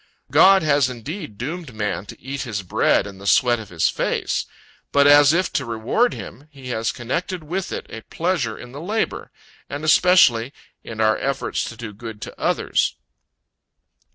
God has indeed doomed man to eat his bread in the sweat of his face; but as if to reward him, he has connected with it a pleasure in the labor, and especially, in our efforts to do good to others.